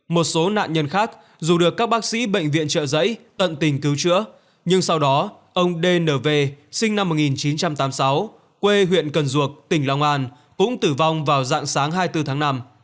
một số nạn nhân khác dù được các bác sĩ bệnh viện trợ giấy tận tình cứu chữa nhưng sau đó ông dnv sinh năm một nghìn chín trăm tám mươi sáu quê huyện cần duộc tỉnh long an cũng tử vong vào dạng sáng hai mươi bốn tháng năm